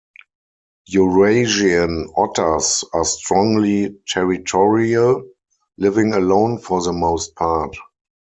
Eurasian otters are strongly territorial, living alone for the most part.